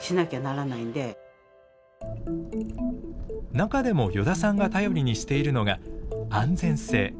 中でも依田さんが頼りにしているのが安全性。